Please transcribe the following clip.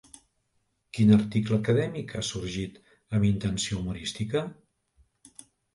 Quin article acadèmic ha sorgit amb intenció humorística?